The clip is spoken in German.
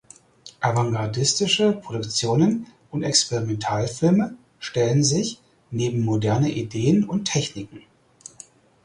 Avantgardistische Produktionen und Experimentalfilme stellen sich neben moderne Ideen und Techniken.